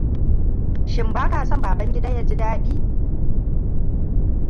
Shin baka son Babangida ya ji dadi?